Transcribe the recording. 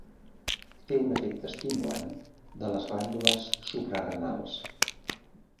Té un efecte estimulant de les glàndules suprarenals.